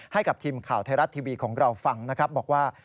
ให้กับทีมข่าวไทยรัฐทีวีของเราฟังนะครับบอกว่า